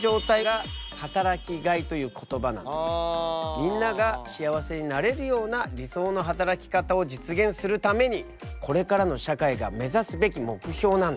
みんなが幸せになれるような理想の働き方を実現するためにこれからの社会が目指すべき目標なんだ。